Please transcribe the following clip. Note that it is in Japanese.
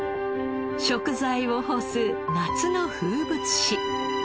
食材を干す夏の風物詩。